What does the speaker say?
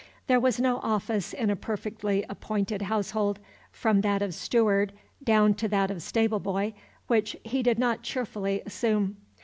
There was no office in a perfectly appointed household, from that of steward down to that of stable boy, which he did not cheerfully assume.